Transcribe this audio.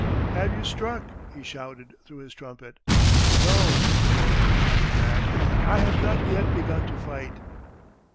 "Have you struck?" he shouted, through his trumpet. "No," Jones shouted back, "I have not yet begun to fight!"